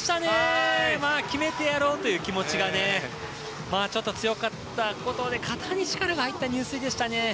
決めてやろうという気持ちがちょっと強かったことで肩に力が入った入水でしたね。